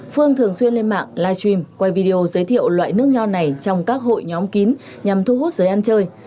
phương thường xuyên lên mạng live stream quay video giới thiệu loại nước nho này trong các hội nhóm kín nhằm thu hút giới ăn chơi